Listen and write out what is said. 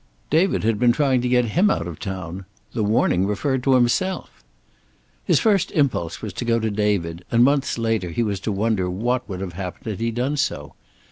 David had been trying to get him out of town. The warning referred to himself. His first impulse was to go to David, and months later he was to wonder what would have happened had he done so.